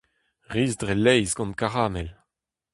Riz dre laezh gant karamel.